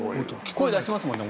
声出しますもんね